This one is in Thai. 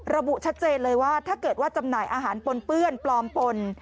ระบุชัดเจนเลยว่าถ้าเกิดว่าจำหน่ายอาหารปนเปื้อนปลอมปน